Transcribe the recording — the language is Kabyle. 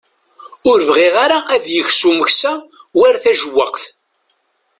Ur bɣiɣ ara ad ikes umeksa war tajewwaqt.